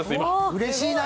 うれしいな。